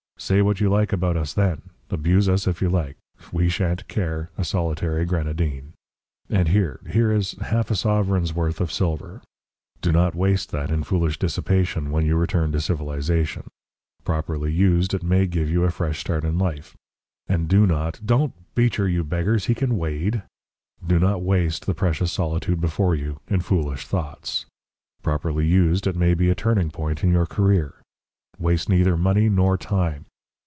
Say what you like about us then abuse us, if you like we shan't care a solitary Grenadine! And here here is half a sovereign's worth of silver. Do not waste that in foolish dissipation when you return to civilisation. Properly used, it may give you a fresh start in life. And do not Don't beach her, you beggars, he can wade! Do not waste the precious solitude before you in foolish thoughts. Properly used, it may be a turning point in your career. Waste neither money nor time.